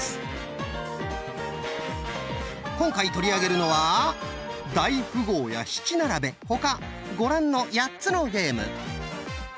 今回取り上げるのは大富豪や七並べ他ご覧の８つのゲーム。